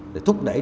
để thúc đẩy